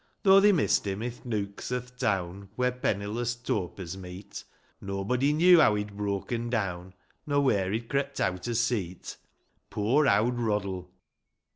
U3 Though they missed him i' nooks o'th town Where penniless topers meet, Nob'dy knew how he'd broken down, Nor where he'd crept out o' seat : Poor owd Rod die